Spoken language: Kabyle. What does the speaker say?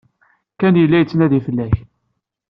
Ken yella yettnadi fell-ak.